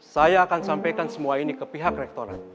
saya akan sampaikan semua ini ke pihak rektorat